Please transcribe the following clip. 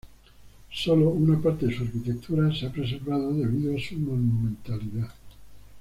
Sólo una parte de su arquitectura se ha preservado debido a su monumentalidad.